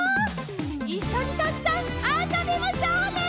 いっしょにたくさんあそびましょうね！